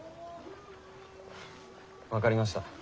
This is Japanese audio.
分かりました。